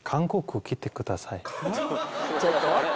ちょっと待って！